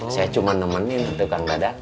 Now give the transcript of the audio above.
saya cuma nemenin tukang dada